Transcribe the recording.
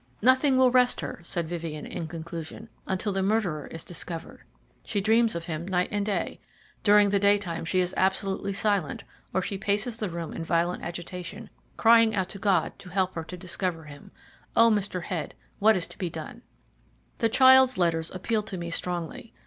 "Nothing will rest her," said Vivien, in conclusion, "until the murderer is discovered. She dreams of him night after night. During the daytime she is absolutely silent, or she paces the room in violent agitation, crying out to God to help her to discover him. Oh, Mr. Head, what is to be done?" The child's letters appealed to me strongly.